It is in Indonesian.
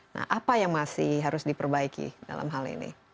nah apa yang masih harus diperbaiki dalam hal ini